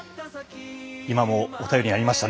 今もお便りにありました。